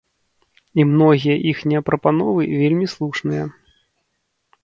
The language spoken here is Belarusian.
І многія іхнія прапановы вельмі слушныя.